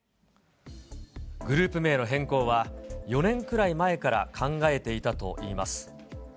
グループ名の変更は、４年くらい前から考えていたといいます。